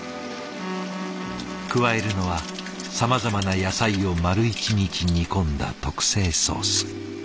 加えるのはさまざまな野菜を丸一日煮込んだ特製ソース。